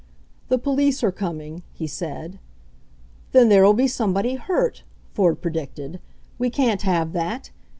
The police are coming," he said. Then there'll be somebody hurt," Ford pre dicted. "We can't have that.